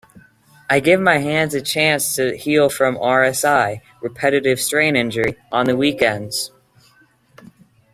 I give my hands a chance to heal from RSI (Repetitive Strain Injury) on the weekends.